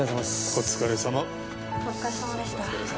お疲れさまです。